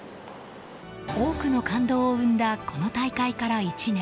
多くの感動を生んだこの大会から１年。